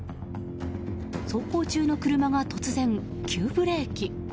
走行中の車が突然、急ブレーキ。